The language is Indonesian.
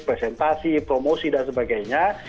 presentasi promosi dan sebagainya